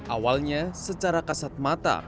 awalnya secara kasat mata